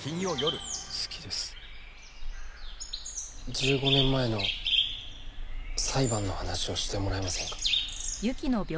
１５年前の裁判の話をしてもらえませんか？